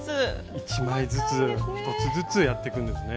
１枚ずつ１つずつやっていくんですね。